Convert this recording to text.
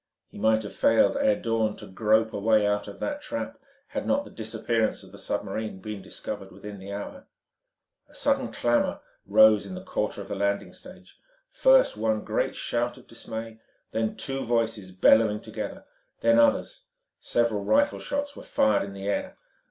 He might have failed ere dawn to grope a way out of that trap had not the disappearance of the submarine been discovered within the hour. A sudden clamour rose in the quarter of the landing stage, first one great shout of dismay, then two voices bellowing together, then others. Several rifle shots were fired in the air.